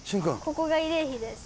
ここが慰霊碑です。